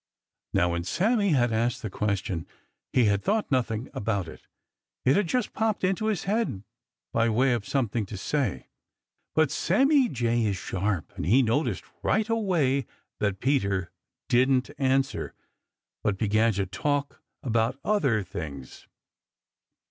Now when Sammy had asked the question he had thought nothing about it. It had just popped into his head by way of something to say. But Sammy Jay is sharp, and he noticed right away that Peter didn't answer but began to talk about other things.